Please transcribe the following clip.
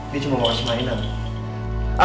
dia cuma mau main mainan